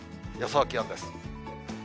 予想気温です。